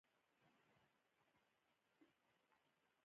نورستان د افغانستان د چاپیریال ساتنې لپاره ډیر مهم ځای دی.